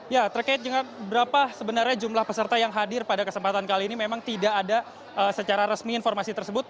ya terkait dengan berapa sebenarnya jumlah peserta yang hadir pada kesempatan kali ini memang tidak ada secara resmi informasi tersebut